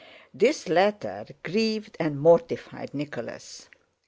This letter grieved and mortified Nicholas.